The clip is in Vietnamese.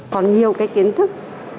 còn nhiều cái kiến thức